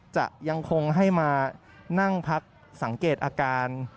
จะยังคงให้มานั่งพักสังเกตอาการ